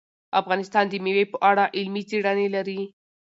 افغانستان د مېوې په اړه علمي څېړنې لري.